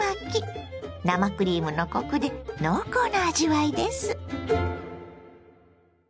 生クリームのコクで濃厚な味わいです。